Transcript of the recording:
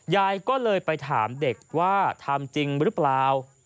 ยายก็เลยไปถามเด็กว่าทำจริงหรือเปล่า